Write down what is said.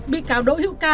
bị cáo đỗ hiệu ca